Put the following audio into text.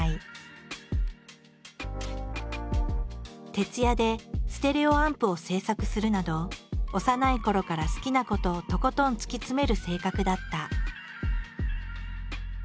徹夜でステレオアンプを製作するなど幼いころから好きなことをとことん突き詰める性格だった。